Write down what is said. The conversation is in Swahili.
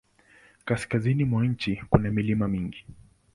Kaskazini mwa nchi kuna milima mingi.